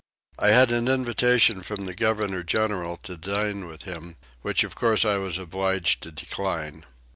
I had an invitation from the governor general to dine with him, which of course I was obliged to decline.